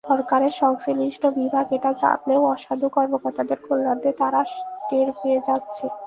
সরকারের সংশ্লিষ্ট বিভাগ এটা জানলেও অসাধু কর্মকর্তাদের কল্যাণে তারা টের পেয়ে যাচ্ছে।